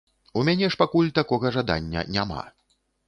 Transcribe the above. У мяне ж пакуль такога жадання няма.